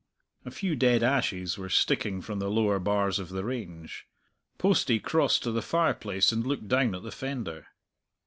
A few dead ashes were sticking from the lower bars of the range. Postie crossed to the fireplace and looked down at the fender.